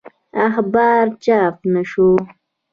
اخبار چاپ نه شو.